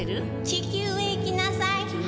「地球へ行きなさい」